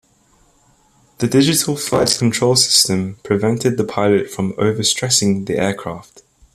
The digital flight control system prevented the pilot from overstressing the aircraft.